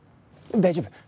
大丈夫。